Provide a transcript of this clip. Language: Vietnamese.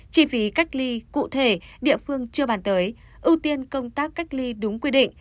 chi phí cách ly cụ thể địa phương chưa bàn tới ưu tiên công tác cách ly đúng quy định